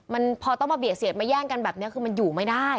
มันพอต้องมาเบียดเสียดมาแย่งกันแบบนี้คือมันอยู่ไม่ได้